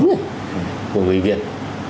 của người việt